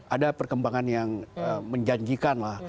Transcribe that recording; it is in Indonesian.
ada perkembangan yang menjanjikan lah